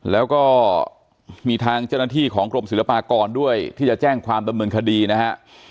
แล้วก็มีทางเจ้าหน้าที่ของกรมศิลปากรด้วยที่จะแจ้งความดำเนินคดีนะฮะ